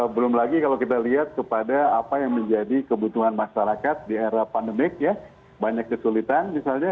belum lagi kalau kita lihat kepada apa yang menjadi kebutuhan masyarakat di era pandemik ya banyak kesulitan misalnya